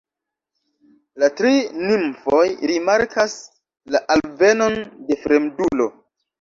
La tri nimfoj rimarkas la alvenon de fremdulo.